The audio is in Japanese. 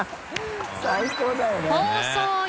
最高だよね。ねぇ。